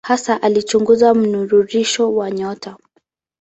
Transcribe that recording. Hasa alichunguza mnururisho wa nyota.